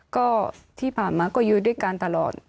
ก็ที่ผ่านมาก็อยู่ด้วยกันตลอด